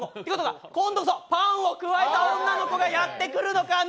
今度こそパンをくわえた女の子がやってくるのかな？